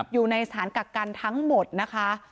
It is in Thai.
อยู่ในสถานกักกันทั้งหมดนะคะ